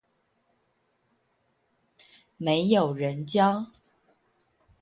沒有人教